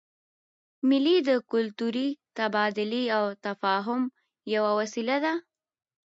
مېلې د کلتوري تبادلې او تفاهم یوه وسیله ده.